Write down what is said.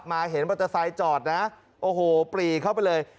เห็นมอเตอร์ไซค์จอดนะโอ้โหปรีเข้าไปเลย